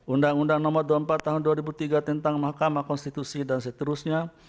undang undang nomor dua puluh empat tahun dua ribu tiga tentang mahkamah konstitusi dan seterusnya